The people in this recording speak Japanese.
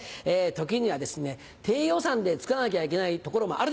時にはですね低予算で作らなきゃいけないところもあるでしょう。